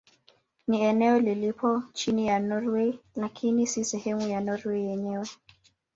Ni eneo lililopo chini ya Norwei lakini si sehemu ya Norwei yenyewe.